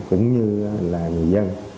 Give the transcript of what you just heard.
cũng như là người dân